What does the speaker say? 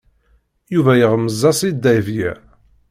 Yuba iɣemmez-as i Dahbiya.